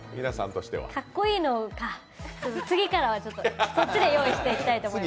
かっこいいのか、次からはそっちで用意したいと思います。